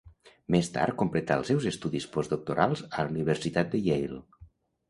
Més tard completà els seus estudis postdoctorals a la Universitat Yale.